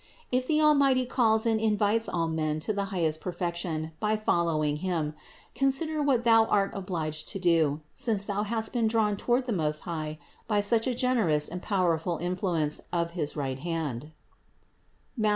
If the Almighty calls and invites all men to the highest perfection by following Him, consider what thou art obliged to do, since thou hast been drawn toward the Most High by such a generous and powerful influence of his right hand (Matth.